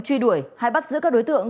truy đuổi hay bắt giữ các đối tượng